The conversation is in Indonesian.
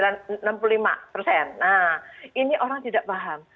nah ini orang tidak paham